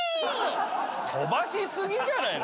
飛ばしすぎじゃない？